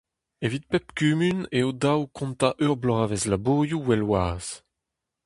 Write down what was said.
Evit pep kumun eo dav kontañ ur bloavezh labourioù well-wazh.